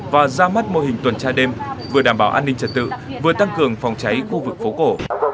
và ra mắt mô hình tuần tra đêm vừa đảm bảo an ninh trật tự vừa tăng cường phòng cháy khu vực phố cổ